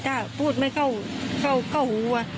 ถ้าพูดไม่เข้าหัว